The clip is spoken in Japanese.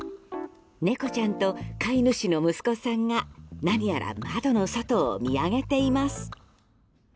猫ちゃんと飼い主の息子さんが何やら窓の外を見上げています。